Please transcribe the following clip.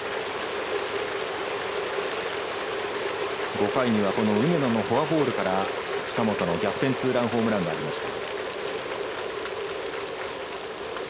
５回には梅野のフォアボールから近本の逆転ツーランホームランがありました。